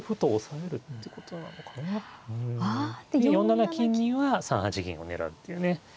４七金には３八銀を狙うっていうね。